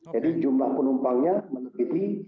jadi jumlah penumpangnya menempiti